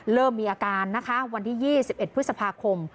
เริ่มมีอาการนะคะวันที่๒๑พฤษภาคม